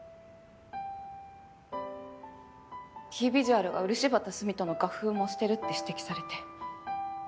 キービジュアルが漆畑澄人の画風を模してるって指摘されて。